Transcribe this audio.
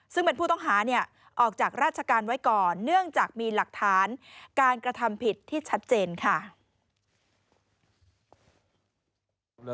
ซึ่งเป็นผู้ต้องหาเนี่ยออกจากราชการไว้ก่อนเนื่องจากมีหลักฐานการกระทำผิดที่ชัดเจนค่ะ